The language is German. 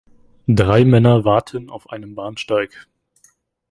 Drei Männer warten auf einem Bahnsteig.